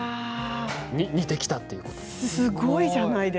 似てきたということで。